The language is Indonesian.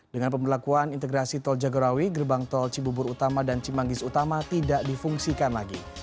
dengan pemberlakuan integrasi tol jagorawi gerbang tol cibubur utama dan cimanggis utama tidak difungsikan lagi